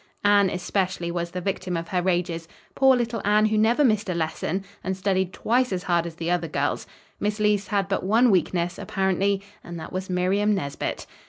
Anne, especially, was the victim of her rages poor little Anne who never missed a lesson and studied twice as hard as the other girls. Miss Leece had but one weakness, apparently, and that was Miriam Nesbit.